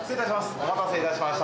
お待たせ致しました。